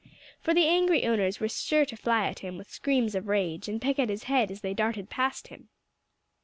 For the angry owners were sure to fly at him with screams of rage, and peck at his head as they darted past him.